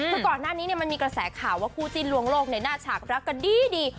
คือก่อนหน้านี้มันมีกระแสข่าวว่าคู่จิ้นลวงโลกในหน้าฉากรักกันดี